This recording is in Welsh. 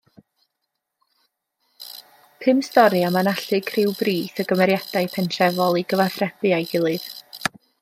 Pum stori am anallu criw brith o gymeriadau pentrefol i gyfathrebu â'i gilydd.